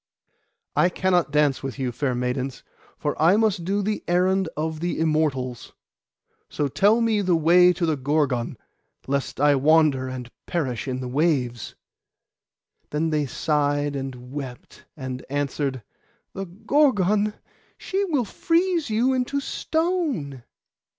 'I cannot dance with you, fair maidens; for I must do the errand of the Immortals. So tell me the way to the Gorgon, lest I wander and perish in the waves.' Then they sighed and wept; and answered—'The Gorgon! she will freeze you into stone.